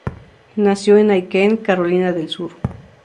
Nació en Aiken, Carolina del Sur.